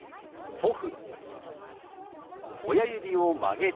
「祖父」。